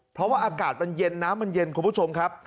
เพราะว่าอากาศมันเย็นน้ำมันเย็นคุณผู้ชมครับ